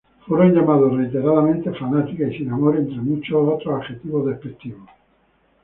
Fueron llamados reiteradamente "fanáticas" y "sin amor", entre muchos otros adjetivos despectivos.